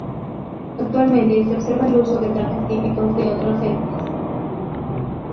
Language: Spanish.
Actualmente se observa el uso de trajes típicos de otros etnias.